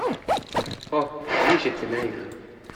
Oh ! oui, j’étais maigre !